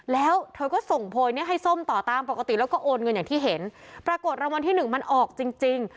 แล้วเธอก็ส่งโพยเนี้ยให้ส้มต่อตามปกติแล้วก็โอนเงินอย่างที่เห็นปรากฏรางวัลที่หนึ่งมันออกจริงจริง